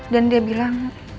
dan dia bilang